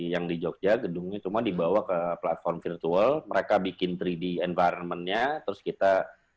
yang di jogja gedungnya cuma dibawa ke platform virtual mereka bikin tiga d environment nya terus kita